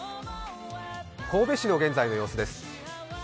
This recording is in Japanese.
神戸市の現在の様子です。